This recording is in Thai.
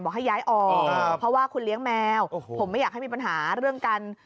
ให้ย้ายออกเพราะว่าคุณเลี้ยงแมวผมไม่อยากให้มีปัญหาเรื่องการ